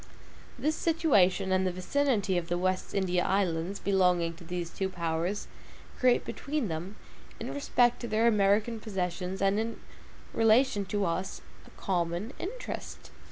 This situation and the vicinity of the West India Islands, belonging to these two powers create between them, in respect to their American possessions and in relation to us, a common interest.